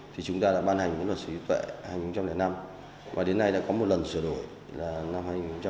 thì chúng ta đã ban hành với luật sở hữu trí tuệ hai nghìn năm và đến nay đã có một lần sửa đổi là năm hai nghìn một mươi ba